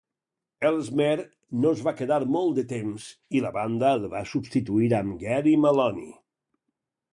Ellesmere no es va quedar durant molt de temps, i la banda el va substituir amb Gary Maloney.